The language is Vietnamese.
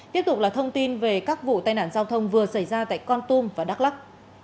tiếp tục là thông tin về các vụ tai nạn giao thông vừa xảy ra tại con tum và đắk lắc